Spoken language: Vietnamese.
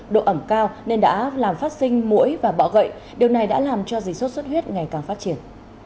độ ẩm cao nên đã làm phát sinh mũi và bọ gậy điều này đã làm cho dịch sốt xuất huyết ngày càng phát triển